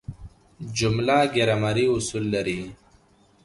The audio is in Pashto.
جمله ګرامري اصول لري.